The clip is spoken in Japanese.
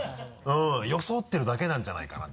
装ってるだけなんじゃないかなって。